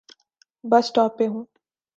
بس سٹاپ پہ ہوں۔